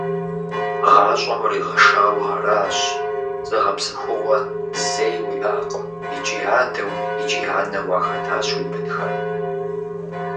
ГъащӀэм уригъэшауэ аращ, зыгъэпсэхугъуэ зэи уиӀакъым, икӀи адэу икӀи анэу уахэтащ уи бынхэм.